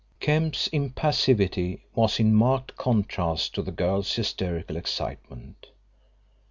Kemp's impassivity was in marked contrast to the girl's hysterical excitement.